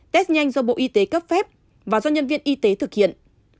test nhanh do bộ y tế cấp phép và do nhân viên y tế thực hiện